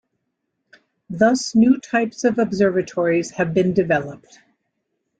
Thus new types of observatories have been developed.